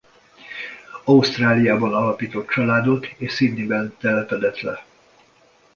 Ausztráliában alapított családot és Sydneyben telepedett le.